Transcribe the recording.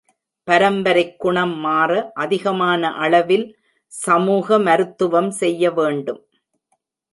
பரம்பரைக் குணம் மாற, அதிகமான அளவில் சமூக மருத்துவம் செய்யவேண்டும்.